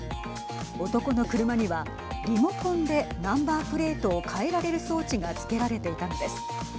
男の車にはリモコンでナンバープレートを変えられる装置が付けられていたのです。